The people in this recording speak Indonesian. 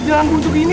jalan gunung tuh gini